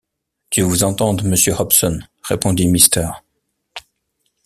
Dieu vous entende, monsieur Hobson! répondit Mrs.